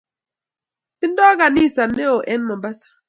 Tindo kanisa newon en Mombasa